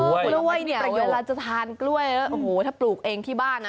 กล้วยเนี่ยเวลาจะทานกล้วยแล้วโอ้โหถ้าปลูกเองที่บ้านนะ